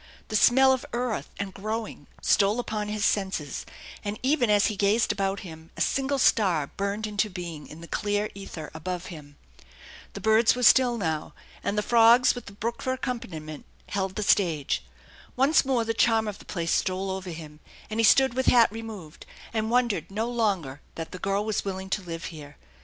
The smell of earth and growing stole upon his senses, and even as he gazed about him a single star burned into being in the clear ether above him. The birds were still now, and the frogs with the brook for accompaniment held the stage. Once more the charm of the place stole over him; and he stood with hat removed, and wondered no longer that the girl was willing to live here.